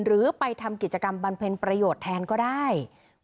หรือไปทำกิจกรรมบำเพ็ญประโยชน์แทนก็ได้